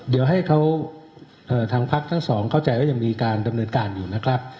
เดี๋ยวให้เขาทางพักทั้งสองเข้าใจว่ายังมีการดำเนินการอยู่นะครับ